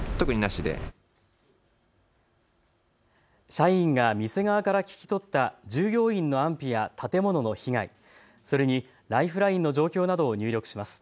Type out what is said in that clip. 社員が店側から聞き取った従業員の安否や建物の被害、それにライフラインの状況などを入力します。